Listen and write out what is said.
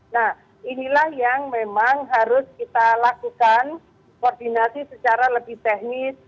nah inilah yang memang harus kita lakukan koordinasi secara lebih teknis